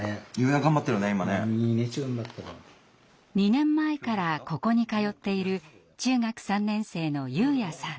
２年前からここに通っている中学３年生のユウヤさん。